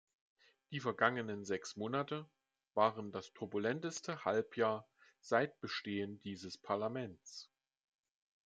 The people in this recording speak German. Die vergangenen sechs Monate waren das turbulenteste Halbjahr seit Bestehen dieses Parlaments.